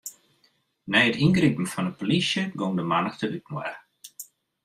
Nei it yngripen fan 'e plysje gong de mannichte útinoar.